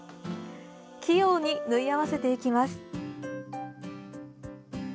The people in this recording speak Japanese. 器用に縫い合わせていきます。